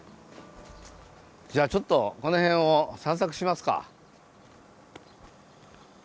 じゃあちょっとこの辺を散策しますか。